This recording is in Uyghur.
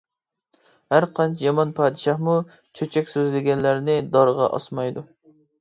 ھەر قانچە يامان پادىشاھمۇ چۆچەك سۆزلىگەنلەرنى دارغا ئاسمايدۇ.